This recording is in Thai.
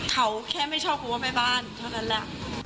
เขาแค่ไม่ชอบเพราะว่าแม่บ้านเท่านั้นแหละ